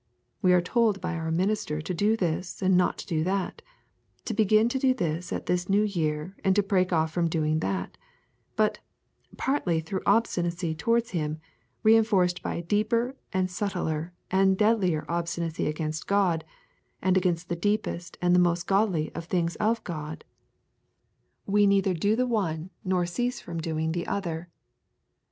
We are told by our minister to do this and not to do that; to begin to do this at this new year and to break off from doing that; but, partly through obstinacy towards him, reinforced by a deeper and subtler and deadlier obstinacy against God, and against all the deepest and most godly of the things of God, we neither do the one nor cease from doing the other.